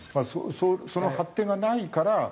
その発展がないから。